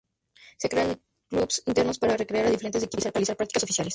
Se crean clubes internos para recrear a diferentes equipos y realizar practicas oficiales.